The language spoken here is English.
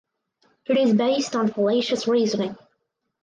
It is based on fallacious reasoning.